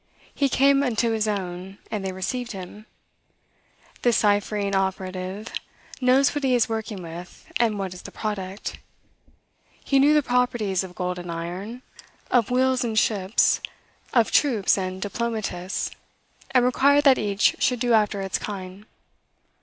He came unto his own, and they received him. This ciphering operative knows what he is working with, and what is the product. He knew the properties of gold and iron, of wheels and ships, of troops and diplomatists, and required that each should do after its kind.